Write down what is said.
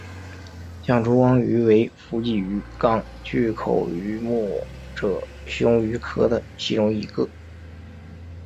象烛光鱼为辐鳍鱼纲巨口鱼目褶胸鱼科的其中一种。